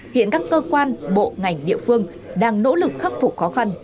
hiện các cơ quan bộ ngành địa phương đang nỗ lực khắc phục khó khăn